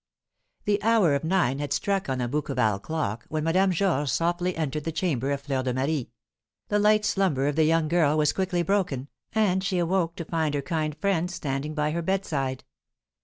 The hour of nine had struck on the Bouqueval clock, when Madame Georges softly entered the chamber of Fleur de Marie. The light slumber of the young girl was quickly broken, and she awoke to find her kind friend standing by her bedside.